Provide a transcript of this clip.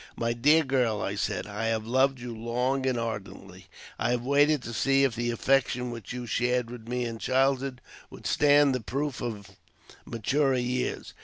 "My dear girl," I said, "I have loved you long and ardently. I have waited to see if the affection which you shared with me in childhood would stand the proof of maturer years.